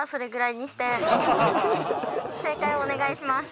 正解をお願いします。